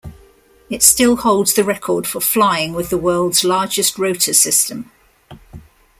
It still holds the record for flying with the world's largest rotor system.